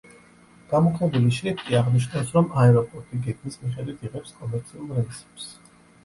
გამუქებული შრიფტი აღნიშნავს, რომ აეროპორტი გეგმის მიხედვით იღებს კომერციულ რეისებს.